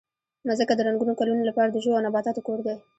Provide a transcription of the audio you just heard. مځکه د زرګونو کلونو لپاره د ژوو او نباتاتو کور دی.